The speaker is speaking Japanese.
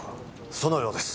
そのようです。